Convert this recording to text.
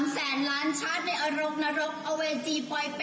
๓แสนล้านพบ๓แสนล้านชาติในอรกนรกอเวจีปล่อยเป็ดอยู่นี้ค่ะ